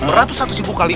beratus atus ribu kali